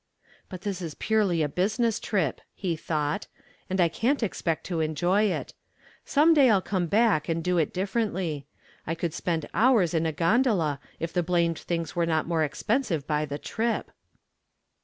"But this is purely a business trip," he thought, "and I can't expect to enjoy it. Some day I'll come back and do it differently. I could spend hours in a gondola if the blamed things were not more expensive by the trip."